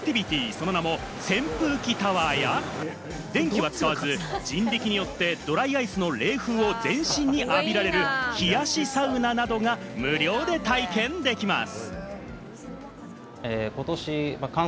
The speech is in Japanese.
その名も扇風機タワーや電気は使わず人力によってドライアイスの冷風を全身に浴びられる冷やしサウナなどが無料で体験できます。